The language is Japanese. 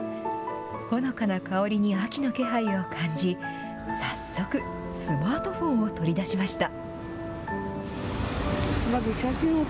ほのかな香りに秋の気配を感じ、早速スマートフォンを取り出しました。